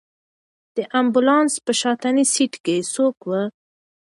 د امبولانس په شاتني سېټ کې څوک و؟